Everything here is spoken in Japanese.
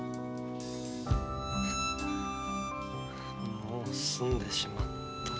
もう済んでしまったか。